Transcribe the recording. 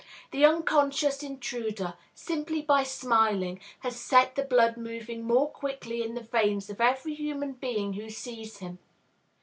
The unconscious intruder, simply by smiling, has set the blood moving more quickly in the veins of every human being who sees him.